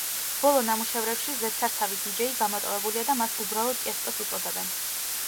ბოლო ნამუშევრებში ზედსართავი დიჯეი გამოტოვებულია და მას უბრალოდ ტიესტოს უწოდებენ.